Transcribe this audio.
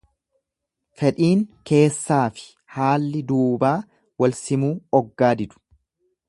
Fedhiin keessaafi haalli duubaa walsimuu oggaa didu.